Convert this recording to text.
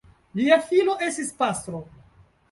Lia filo estis pastro.